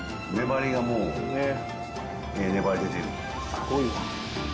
すごいわ。